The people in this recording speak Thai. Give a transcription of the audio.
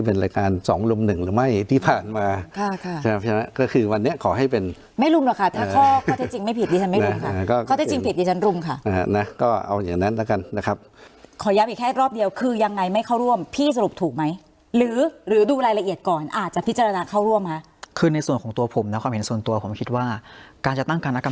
ไม่รุ่นหรอกค่ะถ้าข้อก็จะจริงไม่ผิดดีฉันไม่รุ่นค่ะข้อก็จะจริงผิดดีฉันรุ่นค่ะอ่านะก็เอาอย่างนั้นแล้วกันนะครับขอย้ำอีกแค่รอบเดียวคือยังไงไม่เข้าร่วมพี่สรุปถูกไหมหรือหรือดูรายละเอียดก่อนอาจจะพิจารณาเข้าร่วมค่ะคือในส่วนของตัวผมแล้วความเห็นส่วนตัวผมคิดว่าการจะตั้งการอัก